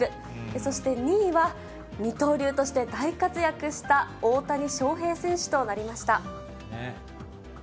そして２位は、二刀流として大活躍した大谷翔平選手となりました。